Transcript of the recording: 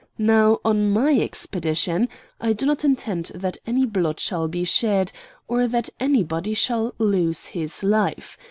Now, on my expedition, I do not intend that any blood shall be shed, or that anybody shall lose his life.